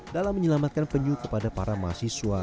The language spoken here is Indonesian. dalam menyelamatkan penyu kepada para mahasiswa